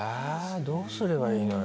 どうすればいいのよ。